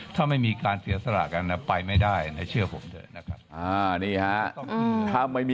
ถ้าไม่มีการเสียสละกันไปไม่ได้ในเชื่อผมเถอะนะครับ